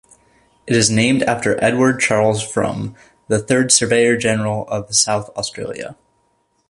It is named after Edward Charles Frome, the third surveyor-general of South Australia.